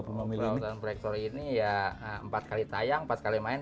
pembangunan proyektor ini ya empat kali tayang empat kali main